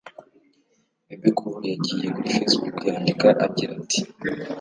Bebe Cool yagiye kuri facebook yandika agira ati